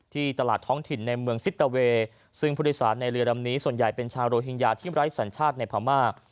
ที่ตลาดท้องถิ่นในเมืองซิตเตอร์เวย์ซึ่งผู้โดยสารในเรือลำนี้ส่วนใหญ่เป็นชาวโรฮิงญาที่ไร้สัญชาติในพม่า